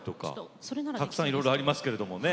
たくさんいろいろありますけれどもね。